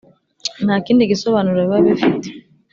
nta kindi gisobanuro biba bifite